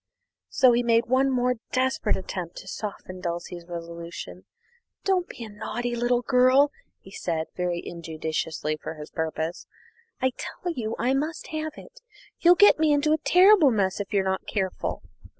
So he made one more desperate attempt to soften Dulcie's resolution: "Don't be a naughty little girl," he said, very injudiciously for his purpose, "I tell you I must have it. You'll get me into a terrible mess if you're not careful!"